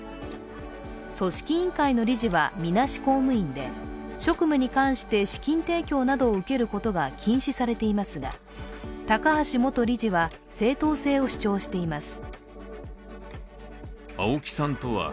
組織委員会の理事は、みなし公務員で職務に関して資金提供などを受けることが禁止されていますが高橋元理事は正当性を主張しています。